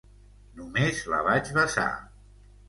Només la vaig besar.